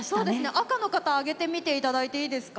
赤の方上げてみていただいていいですか？